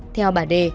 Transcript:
theo bà đê